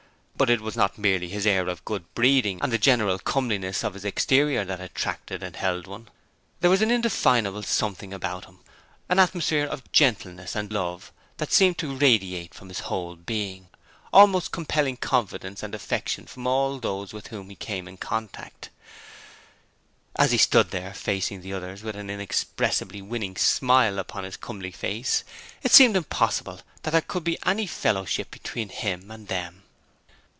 But it was not merely his air of good breeding and the general comeliness of his exterior that attracted and held one. There was an indefinable something about him an atmosphere of gentleness and love that seemed to radiate from his whole being, almost compelling confidence and affection from all those with whom he came in contact. As he stood there facing the others with an inexpressibly winning smile upon his comely face, it seemed impossible that there could be any fellowship between him and them.